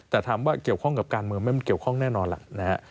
แต่ถามว่าเกี่ยวข้องกับการเมืองไหมมันเกี่ยวข้องแน่นอนล่ะนะฮะ